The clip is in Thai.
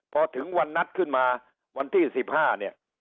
พอถึงวันนัดขึ้นมาวันที่๑๕เนี่ย